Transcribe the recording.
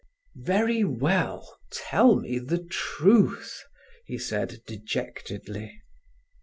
"Very well! Tell me the truth," he said, dejectedly.